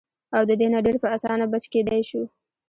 او د دې نه ډېر پۀ اسانه بچ کېدے شو -